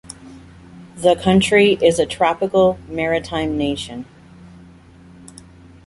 The country is a tropical, maritime nation.